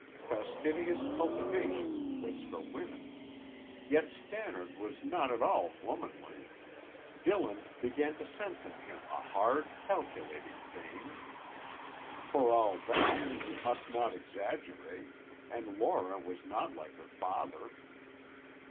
Fastidious cultivation was for women. Yet Stannard was not at all womanly; Dillon began to sense in him a hard, calculating vein. For all that, he must not exaggerate, and Laura was not like her father.